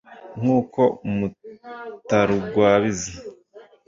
N'uko Mutarugwabiza